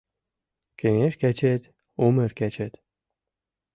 Кеҥеж кечет — умыр кечет